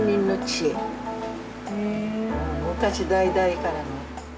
昔代々からの。